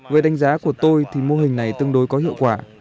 về đánh giá của tôi thì mô hình này tương đối có hiệu quả